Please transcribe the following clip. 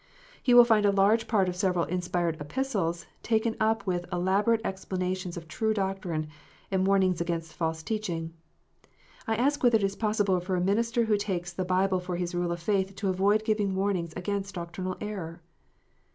He will find a large part of several inspired Epistles taken up with elaborate explana tions of true doctrine and warnings against false teaching. I ask whether it is possible for a minister who takes the Bible for his rule of faith to avoid giving warnings against doctrinal error